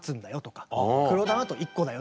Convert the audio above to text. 黒玉だと１個だよとか。